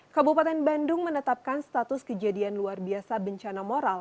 kabupaten bandung menetapkan status kejadian luar biasa bencana moral